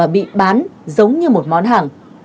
bán giống như một món hàng